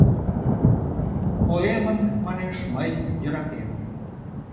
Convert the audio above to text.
Поэмым, манеш, мый йӧратем...